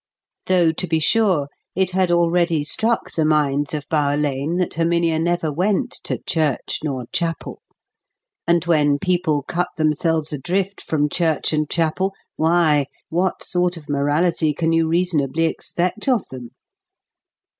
Though to be sure it had already struck the minds of Bower Lane that Herminia never went "to church nor chapel;" and when people cut themselves adrift from church and chapel, why, what sort of morality can you reasonably expect of them?